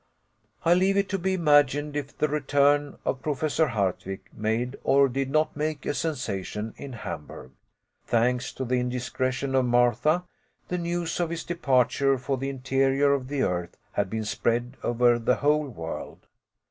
I leave it to be imagined if the return of Professor Hardwigg made or did not make a sensation in Hamburg. Thanks to the indiscretion of Martha, the news of his departure for the interior of the earth had been spread over the whole world.